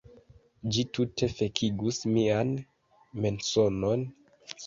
Ĝi tute fekigus mian menson, mi ne povas pensi tiel.